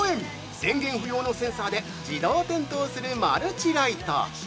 電源不要のセンサーで自動点灯するマルチライト。